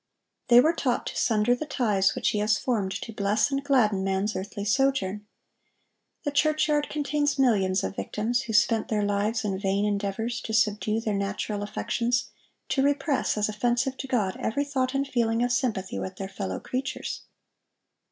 They were taught to sunder the ties which He has formed to bless and gladden man's earthly sojourn. The churchyard contains millions of victims, who spent their lives in vain endeavors to subdue their natural affections, to repress, as offensive to God, every thought and feeling of sympathy with their fellow creatures.